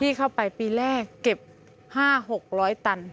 ที่เข้าไปปีแรกเก็บ๕๖๐๐ตัน